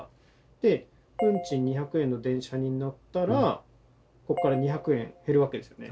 で運賃２００円の電車に乗ったらここから２００円減るわけですよね？